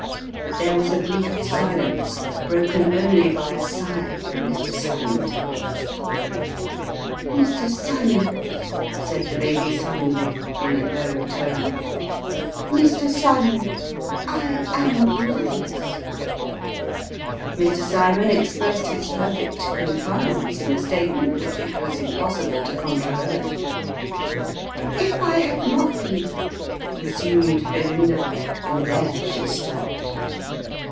There was a brief silence, broken only by a sigh from Mr. Cymon Tuggs. " Mr. Cymon," said the lady suddenly, in a low tone, " Mr. Cymon I am another's." Mr. Cymon expressed his perfect concurrence in a statement which it was impossible to controvert. " If I had not been " resumed Belinda ; and there she stopped.